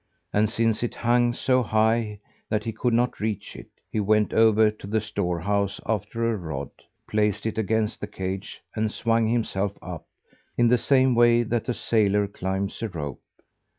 And since it hung so high that he could not reach it, he went over to the store house after a rod; placed it against the cage, and swung himself up in the same way that a sailor climbs a rope.